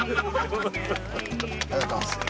ありがとうございます。